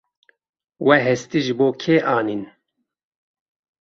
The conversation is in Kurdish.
We hestî ji bo kê anîn?